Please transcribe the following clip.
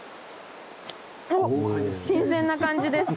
おっ新鮮な感じです。